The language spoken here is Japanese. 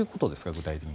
具体的に。